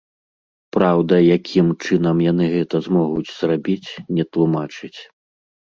Праўда, якім чынам яны гэта змогуць зрабіць, не тлумачыць.